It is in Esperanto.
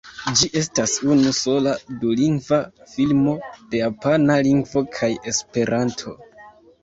Ĝi estas unu sola dulingva filmo de japana lingvo kaj esperanto.